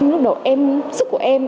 lúc đầu em sức của em